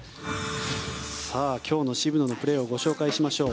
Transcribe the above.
今日の渋野のプレーをご紹介しましょう。